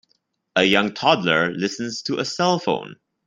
A young toddler listens to a cellphone.